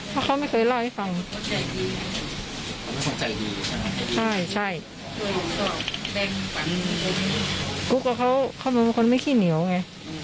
ประมาณนั้นอ่ะ